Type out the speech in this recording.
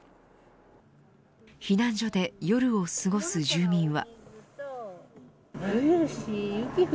避難所で夜を過ごす住民は。